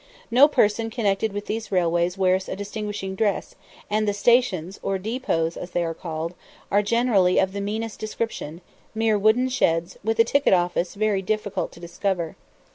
No person connected with these railways wears a distinguishing dress, and the stations, or "depots" as they are called, are generally of the meanest description, mere wooden sheds, with a ticket office very difficult to discover.